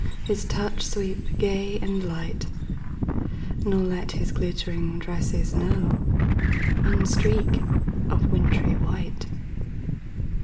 His touch sweep gay and light; Nor let his glittering tresses know One streak of wintry white.